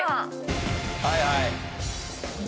はいはい。